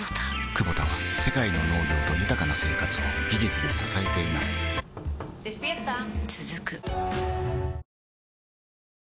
クボタは世界の農業と豊かな生活を技術で支えています起きて。